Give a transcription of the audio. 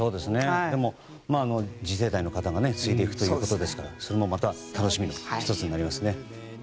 でも次世代の方が継いでいくということですからそれもまた楽しみの１つになりますね。